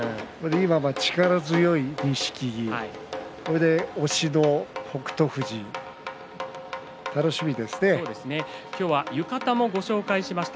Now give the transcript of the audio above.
力強い錦木、押しの北勝富士今日は浴衣もご紹介しました。